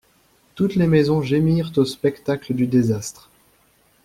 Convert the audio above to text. Toutes les maisons gémirent au spectacle du désastre.